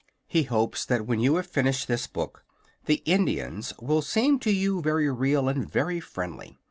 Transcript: He hopes that when you have finished this book, the Indians will seem to you very real and very friendly.